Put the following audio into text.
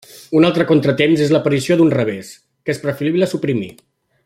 Un altre contratemps és l'aparició d'un revés, que és preferible suprimir.